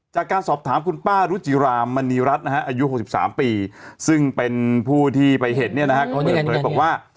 จากการสอบถามคุณป้ารุจิรามณีรัฐนะฮะอายุ๖๓ปีซึ่งเป็นผู้ที่ไปเห็นเนี่ยนะฮะเขาเปิดเผยบอกว่า